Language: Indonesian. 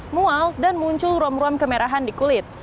mual dan muncul rom rom kemerahan di kulit